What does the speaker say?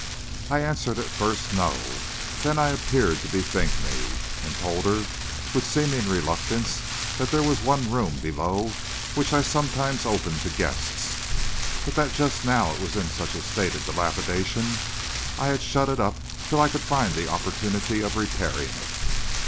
I answered at first "No." Then I appeared to bethink me, and told her, with seeming reluctance, that there was one room below which I sometimes opened to guests, but that just now it was in such a state of dilapidation I had shut it up till I could find the opportunity of repairing it.